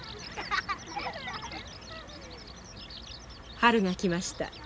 春が来ました。